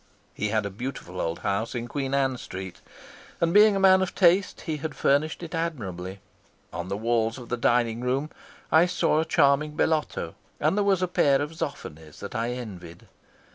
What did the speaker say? He had a beautiful old house in Queen Anne Street, and being a man of taste he had furnished it admirably. On the walls of the dining room I saw a charming Bellotto, and there was a pair of Zoffanys that I envied.